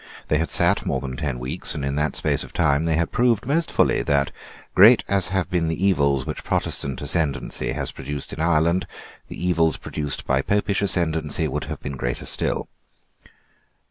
They had sate more than ten weeks; and in that space of time they had proved most fully that, great as have been the evils which Protestant ascendency has produced in Ireland, the evils produced by Popish ascendancy would have been greater still.